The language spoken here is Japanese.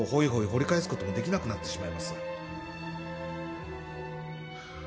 掘り返すこともできなくなってしまいます。